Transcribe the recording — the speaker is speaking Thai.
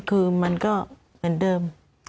คือมันก็เหมือนเดิม